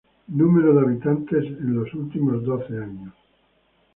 Número de habitantes en los últimos doce años.